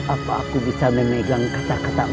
apa aku bisa memegang kata kata emas